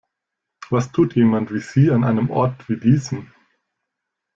Was tut jemand wie Sie an einem Ort wie diesem?